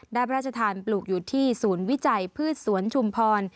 พระราชทานปลูกอยู่ที่ศูนย์วิจัยพืชสวนชุมพร